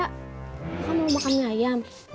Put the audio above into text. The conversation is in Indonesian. kakak mau makan mie ayam